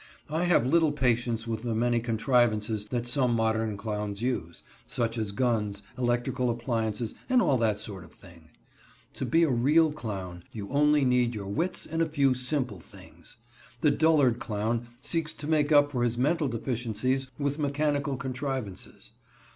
I have little patience with the many contrivances that some modern clowns use, such as guns, electrical appliances, and all that sort of thing. To be a real clown you only need your wits and a few simple things. The dullard clown seeks to make up for his mental deficiencies with mechanical contrivances.